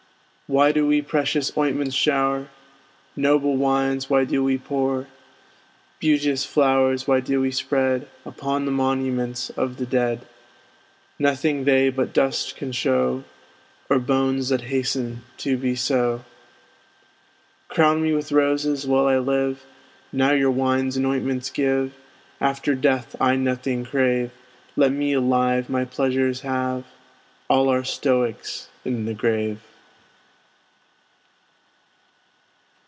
Why do we precious ointments show'r? Noble wines why do we pour? Beauteous flowers why do we spread, Upon the monuments of the dead? Nothing they but dust can show, Or bones that hasten to be so. Crown me with roses while I live, Now your wines and ointments give After death I nothing crave; Let me alive my pleasures have, All are Stoics in the grave.